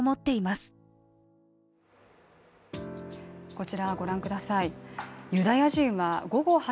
こちらご覧ください。